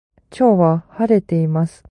今日は晴れています